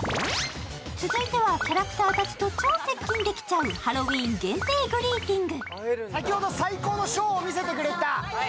続いてはキャラクターたちと超接近できちゃうハロウィーン限定グリーティング。